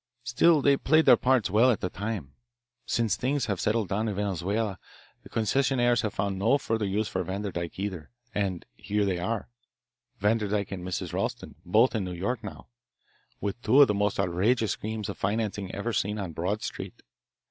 Still they played their parts well at the time. Since things have settled down in Venezuela, the concessionaires have found no further use for Vanderdyke either, and here they are, Vanderdyke and Mrs. Ralston, both in New York now, with two of the most outrageous schemes of financing ever seen on Broad Street.